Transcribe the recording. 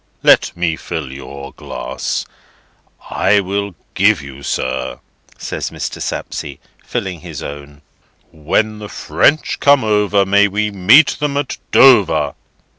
Let me fill your glass. I will give you, sir," says Mr. Sapsea, filling his own: "When the French come over, May we meet them at Dover!"